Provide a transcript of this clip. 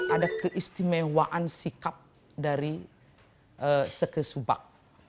ada keistimewaan sikap dari seke subak